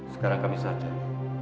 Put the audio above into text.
sekarang kami sadar